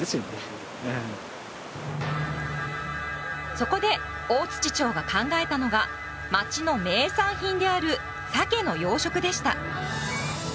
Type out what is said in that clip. そこで大町が考えたのが町の名産品であるサケの養殖でした。